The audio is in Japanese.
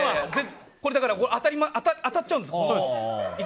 これ、当たっちゃうんです。